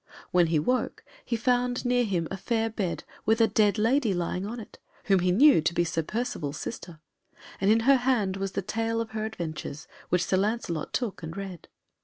When he woke he found near him a fair bed, with a dead lady lying on it, whom he knew to be Sir Percivale's sister, and in her hand was the tale of her adventures, which Sir Lancelot took and read.